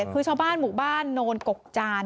คือชาวบ้านหมู่บ้านโนนกกจาน